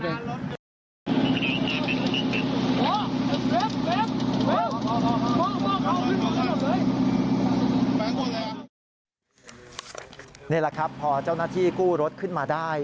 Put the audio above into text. นี่แหละครับพอเจ้าหน้าที่กู้รถขึ้นมาได้